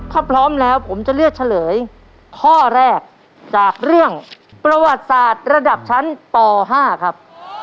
ถ้าพร้อมแล้วผมจะเลือกเฉลยข้อแรกจากเรื่องประวัติศาสตร์ระดับชั้นป๕ครับ